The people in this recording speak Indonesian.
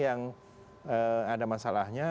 yang ada masalahnya